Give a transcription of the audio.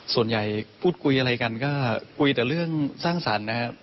ส่วนใหญ่พูดคุยอะไรกันก็คุยแต่เรื่องสร้างสรรค์นะครับ